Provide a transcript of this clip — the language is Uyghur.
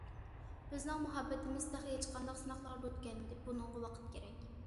بىزنىڭ مۇھەببىتىمىز تېخى ھېچقانداق سىناقلارغا دۇچ كەلمىدى، بۇنىڭغا ۋاقىت كېرەك.